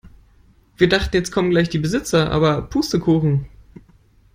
Wir dachten jetzt kommen gleich die Besitzer, aber Pustekuchen.